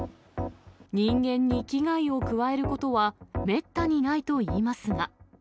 人間に危害を加えることはめったにないといいますが。